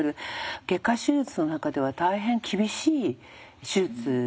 外科手術の中では大変厳しい手術なんだそうです。